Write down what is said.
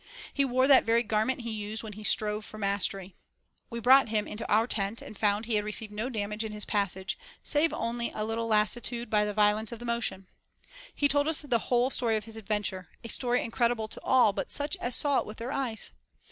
He wore that very garment he used when he strove for mastery. We brought him into our tent and found he had received no damage in his passage, save only a little lassi tude by the violence of the motion. He told us the whole story of his adventure, — a story incredible to all but such as saw it with their eyes.